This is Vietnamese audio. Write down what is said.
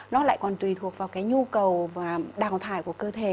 nó lại còn tùy thuộc vào cái nhu cầu đào thải của cơ thể